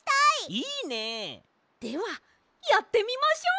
いいね！ではやってみましょう！